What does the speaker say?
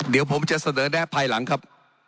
เดี๋ยวผมจะเสนอแนะภายหลังครับ